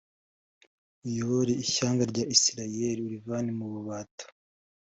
ayobore ishyanga rya isirayeli arivane mu bubata